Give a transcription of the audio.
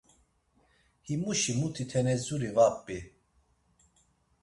Himuşi muti tenezuri var p̆i.